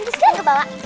cislin gak bawa